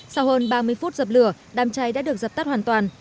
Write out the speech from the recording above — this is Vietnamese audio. sau hơn ba mươi phút dập lửa đám cháy đã được dập tắt hoàn toàn